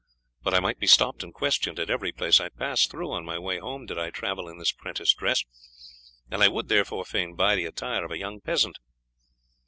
But I might be stopped and questioned at every place I pass through on my way home did I travel in this 'prentice dress, and I would, therefore, fain buy the attire of a young peasant."